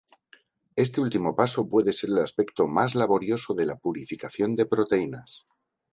Este último paso puede ser el aspecto más laborioso de la purificación de proteínas.